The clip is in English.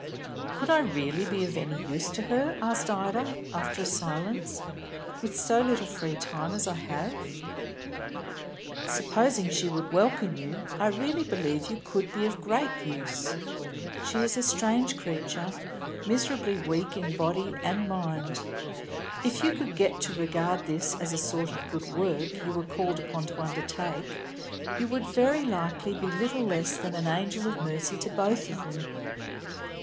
"Could I really be of any use to her," asked Ida, after a silence, "with so little free time as I have?" "Supposing she would welcome you, I really believe you could be of great use. She is a strange creature, miserably weak in body and mind. If you could get to regard this as a sort of good work you were called upon to undertake, you would very likely be little less than an angel of mercy to both of them.